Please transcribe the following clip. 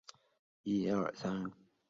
罗烽是初中毕业。